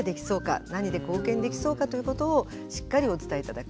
何で貢献できそうかということをしっかりお伝え頂く。